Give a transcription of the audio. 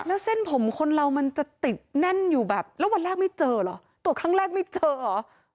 แล้วเส้นผมคนเรามันจะติดแน่นอยู่แบบแล้ววันแรกไม่เจอเหรอตรวจครั้งแรกไม่เจอเหรอ